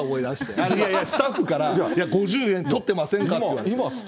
いやいや、スタッフから５０円取ってませんかと。